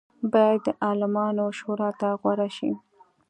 باید د عالمانو شورا ته غوره شي.